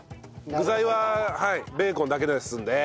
具材はベーコンだけですんで。